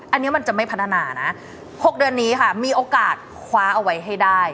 อันนี้มันจะไม่พัฒนานะ๖เดือนนี้ค่ะมีโอกาสคว้าเอาไว้ให้ได้